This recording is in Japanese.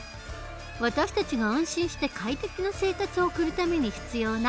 私たちが安心して快適な生活を送るために必要な公共サービス。